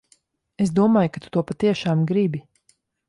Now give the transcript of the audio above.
Es domāju, ka tu to patiešām gribi.